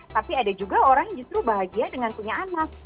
tapi ada juga orang yang justru bahagia dengan punya anak